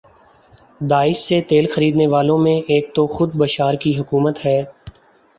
داعش سے تیل خرینے والوں میں ایک تو خود بشار کی حکومت ہے